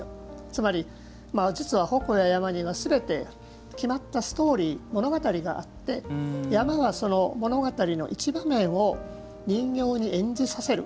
つまり、実は鉾や山にはすべて、決まったストーリー物語があって山が、その物語の一場面を人形に演じさせる。